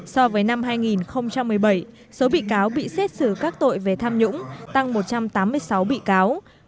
so với năm hai nghìn một mươi bảy số bị cáo bị xét xử các tội về tham nhũng tăng một trăm tám mươi sáu bị cáo